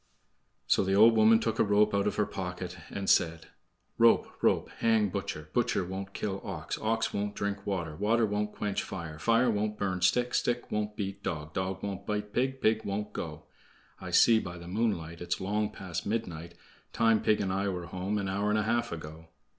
So the old woman took a rope out of her pocket, and said: "Rope, rope, hang butcher; Butcher won't kill ox; Ox won't drink water; Water won't quench fire; Fire won't burn stick; Stick won't beat dog; Dog won't bite pig; Pig won't go. I see by the moonlight It's long past midnight; Time pig and I were home an hour and a half ago."